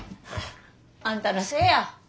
あんたのせいや！